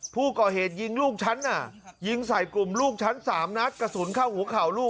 ผู้ก่อเหตุยิงลูกฉันน่ะยิงใส่กลุ่มลูกฉัน๓นัดกระสุนเข้าหัวเข่าลูก